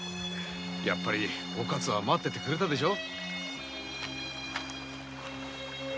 やっぱりおかつは待っててくれたでしょ。